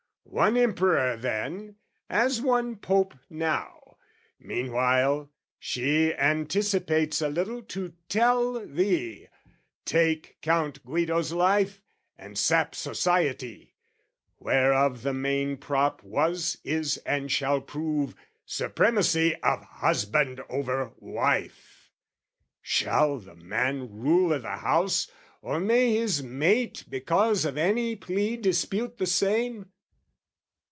"One Emperor then, as one Pope now: meanwhile, "She anticipates a little to tell thee 'Take "'Count Guido's life, and sap society, "'Whereof the main prop was, is, and shall prove "' Supremacy of husband over wife!' "Shall the man rule i' the house, or may his mate "Because of any plea dispute the same?